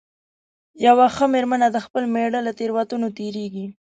یوه ښه مېرمنه د خپل مېړه له تېروتنو تېرېږي.